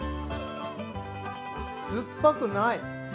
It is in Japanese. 酸っぱくない！